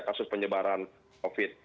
kasus penyebaran covid sembilan belas